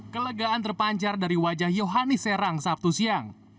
kelegaan terpancar dari wajah yohanis serang sabtu siang